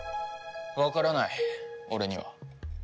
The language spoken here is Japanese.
わからない俺には。